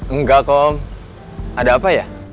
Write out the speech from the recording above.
enggak kok ada apa ya